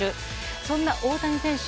そんな大谷選手